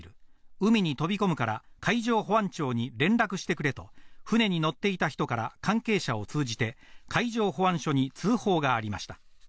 海に飛び込むから海上保安庁に連絡してくれと船に乗っていた人から関係者を通じて海上保安署に通報がありました。